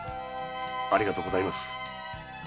ありがとうございます。